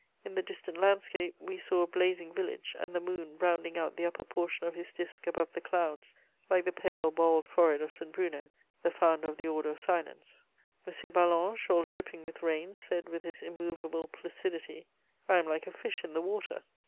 In the distant landscape, we saw a blazing village and the moon rounding out the upper portion of his disc above the clouds, like the pale, bald forehead of St. Bruno, the founder of the order of silence. M. Ballanche, all dripping with rain, said with his immovable placidity: "I am like a fish in the water."